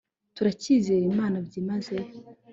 turacyizera imana byimazeyo